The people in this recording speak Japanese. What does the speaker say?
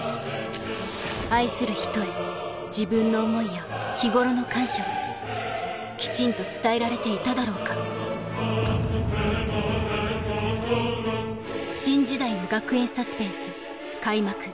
愛する人へ自分の思いや日頃の感謝をきちんと伝えられていただろうか新時代の学園サスペンス開幕